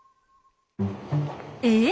え？